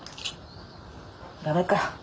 駄目か。